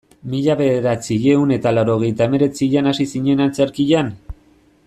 Mila bederatziehun eta laurogeita hemeretzian hasi zinen antzerkian?